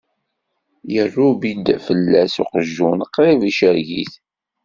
Yerrubbi-d fell-as uqjun, qrib icerreg-it.